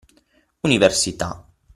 Università.